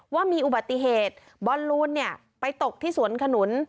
ว่ามีอุบัติเหตุบอลลูนไปตกที่สวนขนุน